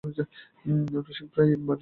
রসিক প্রায় বাড়ির বাহিরে বাহিরেই কাটায়।